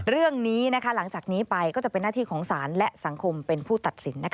หลังจากนี้ไปก็จะเป็นหน้าที่ของศาลและสังคมเป็นผู้ตัดสิน